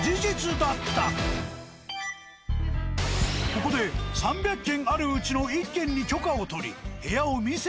ここで３００軒あるうちの１軒に許可を取り。